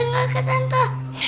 dengar gak ke tante